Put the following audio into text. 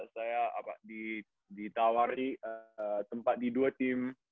saya ditawarkan tempat di dua tim